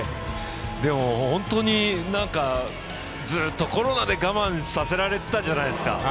でも、本当に、ずっとコロナで我慢させられてたじゃないですか